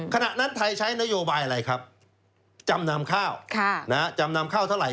ขณะนั้นไทยใช้นโยบายอะไรครับจำนำข้าวจำนำข้าวเท่าไห